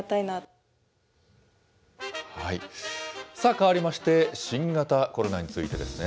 変わりまして、新型コロナについてですね。